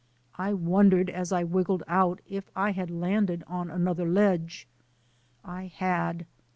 I wondered, as I wiggled out, if I had landed on another ledge. I had.